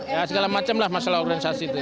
ya segala macam lah masalah organisasi itu